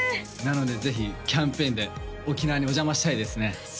なのでぜひキャンペーンで沖縄にお邪魔したいですね